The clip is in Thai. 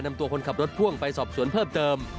นำตัวคนขับรถพ่วงไปสอบสวนเพิ่มเติม